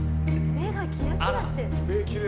目がキラキラしてる。